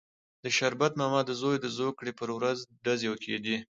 د شربت ماما د زوی د زوکړې پر ورځ ډزې کېدې.